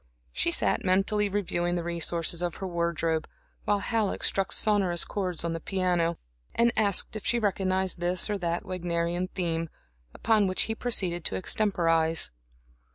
She sat mentally reviewing the resources of her wardrobe, while Halleck struck sonorous chords on the piano, and asked if she recognized this or that Wagnerian theme, upon which he proceeded to extemporize.